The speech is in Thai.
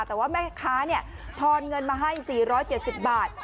แต่ว่าแม่ค้าทอนเงินมาให้๔๗๐บาท